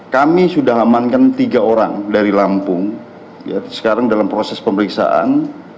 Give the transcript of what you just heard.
kami sudah amankan tiga orang dari lampung sekarang dalam proses pemeriksaan